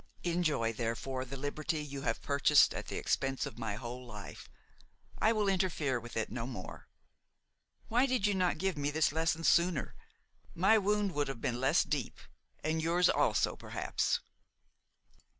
"Enjoy, therefore, the liberty you have purchased at the expense of my whole life; I will interfere with it no more. Why did you not give me this lesson sooner? My wound would have been less deep, and yours also, perhaps.